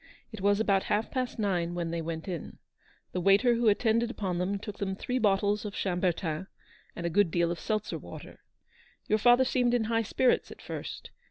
It was about half past nine when they went in. The waiter who attended upon them took them three bottles of Chambertin and a good deal of seltzer water. Your father seemed in high spirits at first.